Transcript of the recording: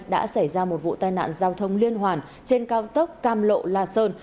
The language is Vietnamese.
đã xảy ra một vụ tai nạn giao thông liên hoàn trên cao tốc cam lộ la sơn